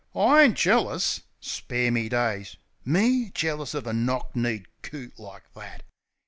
... Oh, I ain't jealous! Spare me daysi Me? Jealous uv a knock kneed coot like that!